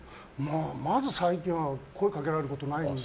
まず最近は声掛けられることないんで。